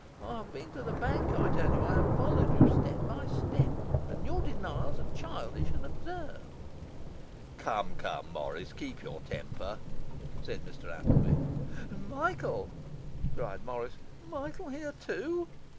I have been to the bank, I tell you! I have followed you step by step, and your denials are childish and absurd.' 'Come, come, Morris, keep your temper,' said Mr Appleby. 'Michael!' cried Morris, 'Michael here too!